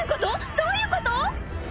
どういうこと？